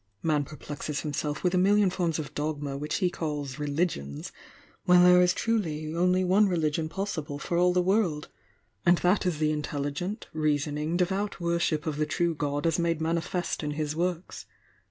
Man perplexec himself with a million forms of dogma which he calls 'religions,' when there is truly only one religion possible for all the world, and that is the intelligent, reasoning, devout worship of the true God as made manifest in His works.